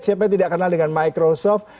siapa yang tidak kenal dengan microsoft